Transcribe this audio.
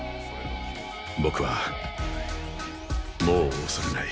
僕はもう恐れない。